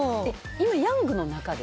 今、ヤングの中で。